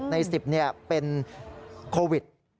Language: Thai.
๖ใน๑๐เนี่ยเป็นโควิด